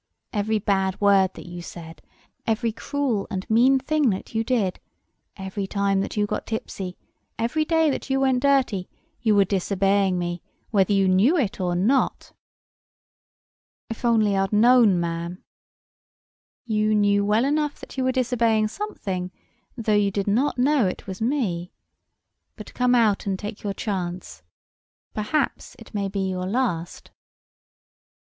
Every bad word that you said—every cruel and mean thing that you did—every time that you got tipsy—every day that you went dirty—you were disobeying me, whether you knew it or not." "If I'd only known, ma'am—" "You knew well enough that you were disobeying something, though you did not know it was me. But come out and take your chance. Perhaps it may be your last."